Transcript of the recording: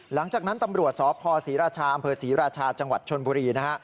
หลังจากนั้นตำรวจสพศรีราชาอำเภอศรีราชาจังหวัดชนบุรีนะฮะ